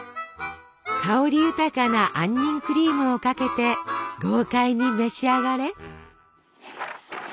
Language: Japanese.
香り豊かな杏仁クリームをかけて豪快に召し上がれ！